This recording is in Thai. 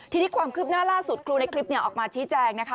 ทีนี้ความคืบหน้าล่าสุดครูในคลิปออกมาชี้แจงนะคะ